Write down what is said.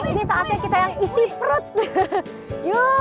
ini saatnya kita yang isi perut yuk